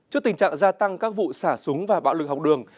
trước tình trạng gia tăng các vụ xả súng và bạo lực học đường